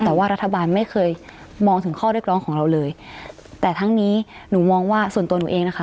แต่ว่ารัฐบาลไม่เคยมองถึงข้อเรียกร้องของเราเลยแต่ทั้งนี้หนูมองว่าส่วนตัวหนูเองนะคะ